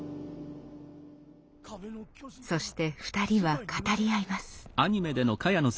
そして２人は語り合います。